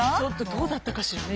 どうだったかしらね